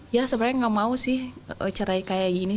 ya sebenarnya nggak mau sih cerai kayak gini